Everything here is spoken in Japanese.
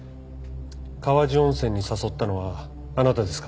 川治温泉に誘ったのはあなたですか？